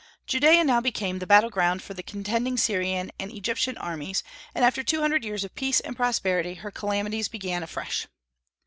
Judaea now became the battle ground for the contending Syrian and Egyptian armies, and after two hundred years of peace and prosperity her calamities began afresh.